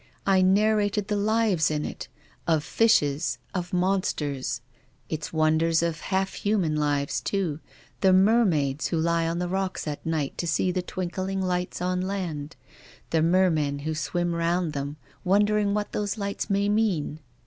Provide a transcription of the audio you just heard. I narrated the lives in it, of fishes, of mon sters ; its wonders of half human lives, too, the mer maids who lie on the rocks at night to see the twinkling lights on land, the mermen who swim round them, wondering what those lights may mean.